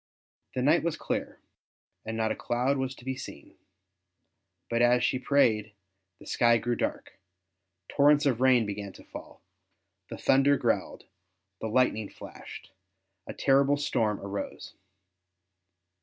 The night was clear, and not a cloud was to be seen ; but as she prayed the sky grew dark ; torrents of rain began to fall; the thunder growled; the lightning flashed; a terrible storm arose.